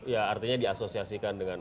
ya artinya diasosiasikan dengan